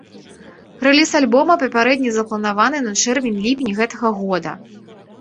Рэліз альбома папярэдне запланаваны на чэрвень-ліпень гэтага года.